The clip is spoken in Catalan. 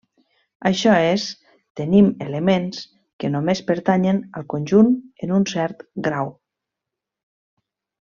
Això és, tenim elements que només pertanyen al conjunt en un cert grau.